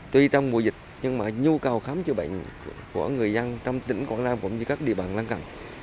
tuy trong mùa dịch nhưng mà nhu cầu khám chữa bệnh của người dân trong tỉnh quảng nam cũng như các địa bàn lăng cẳng